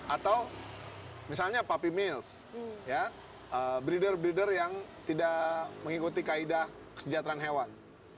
atau misalnya puppy mils breeder breader yang tidak mengikuti kaedah kesejahteraan hewan